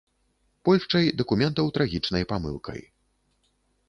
Польшчай дакументаў трагічнай памылкай.